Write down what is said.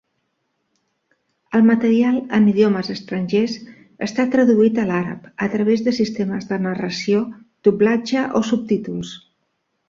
El material en idiomes estrangers està traduït a l'àrab, a través de sistemes de narració, doblatge o subtítols.